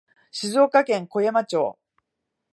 静岡県小山町